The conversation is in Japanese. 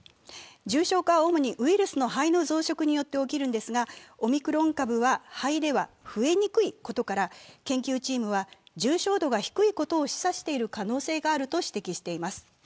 重症化は主にウイルスが肺で増えますがオミクロン株は肺では増えにくいことから研究チームは重傷度が低いことを示唆しているとしています。